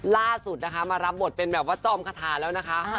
ล่าสุดนะคะมารับบทเป็นแบบว่าจอมคาถาแล้วนะคะ